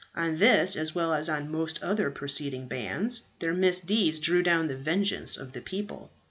On this as well as on most other preceding bands, their misdeeds drew down the vengeance of the people.